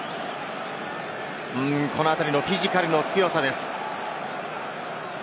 このあたりのフィジカルの強さです。